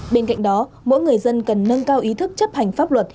bên cạnh đó mỗi người dân cần nâng cao ý thức chấp hành pháp luật